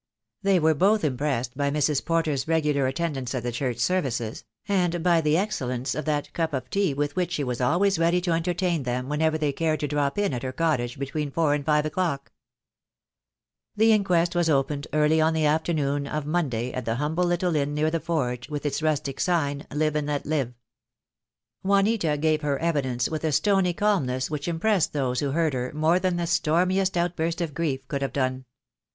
They were both impressed by Mrs. Porter's regular attendance at the church services, and by the excellence of that cup of tea with which she was always ready to entertain them whenever they cared to drop in at her cottage between four and five o'clock. 126 THE DAY WILL COME. The inquest was opened early on the afternoon of Monday at the humble little inn near the forge, with its rustic sign, "Live and let live." Juanita gave her evidence with a stony calmness which impressed those who heard her more than the stormiest outburst of grief would have done.